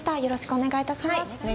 お願いします。